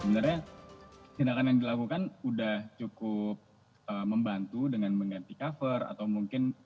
sebenarnya tindakan yang dilakukan udah cukup membantu dengan mengganti cover atau mungkin